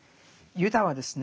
ユダはですね